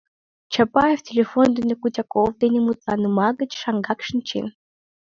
Чапаев телефон дене Кутяков дене мутланыма гыч шаҥгак шинчен.